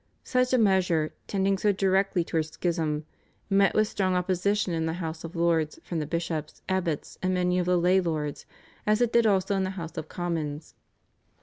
Such a measure, tending so directly towards schism, met with strong opposition in the House of Lords from the bishops, abbots, and many of the lay lords, as it did also in the House of Commons.